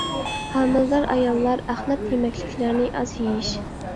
ھامىلىدار ئاياللار ئەخلەت يېمەكلىكلەرنى ئاز يېيىش.